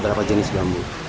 berapa jenis bambu